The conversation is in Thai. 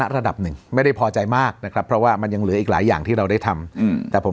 ระดับหนึ่งไม่ได้พอใจมากนะครับเพราะว่ามันยังเหลืออีกหลายอย่างที่เราได้ทำแต่ผม